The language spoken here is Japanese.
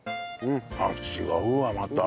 あっ違うわまた。